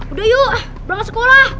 udah yuk balik ke sekolah